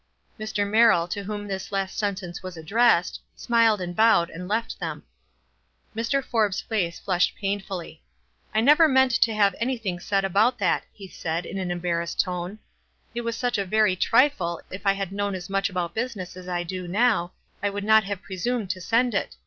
Mr. Merrill, to whom this last sentence was addressed, smiled and bowed, and left them. Mr. Forbes' face (lushed painfully. "I never meant to have anything said about that," he said, in an embarrassed tone. "It was such a very trifle, if I had known as much about business as I do now, I would not have presumed to send it.